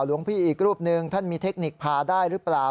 หลวงพี่อีกรูปหนึ่งท่านมีเทคนิคพาได้หรือเปล่า